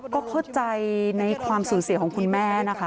ก็เข้าใจในความสูญเสียของคุณแม่นะคะ